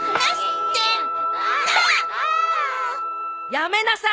やめなさい！